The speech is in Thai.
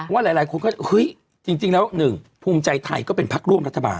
ว่าหลายคนก็เฮ้ยจริงแล้วหนึ่งภูมิใจไทยก็เป็นพักร่วมรัฐบาล